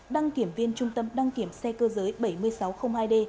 đăng kiểm viên trung tâm đăng kiểm xe cơ giới bảy nghìn sáu trăm linh hai d